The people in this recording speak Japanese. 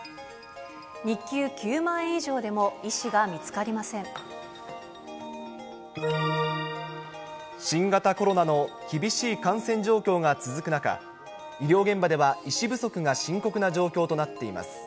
日給９万円以上でも医師が見新型コロナの厳しい感染状況が続く中、医療現場では医師不足が深刻な状況となっています。